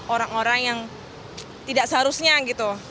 orang orang yang tidak seharusnya gitu